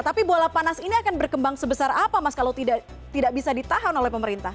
tapi bola panas ini akan berkembang sebesar apa mas kalau tidak bisa ditahan oleh pemerintah